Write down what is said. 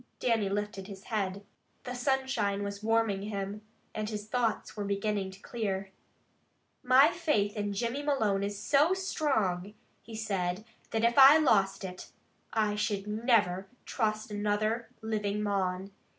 Dannie lifted his head. The sunshine was warming him, and his thoughts were beginning to clear. "My faith in Jimmy Malone is so strong," he said, "that if I lost it, I never should trust another living mon.